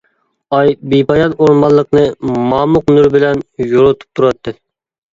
ئاي بىپايان ئورمانلىقنى مامۇق نۇرى بىلەن يورۇتۇپ تۇراتتى.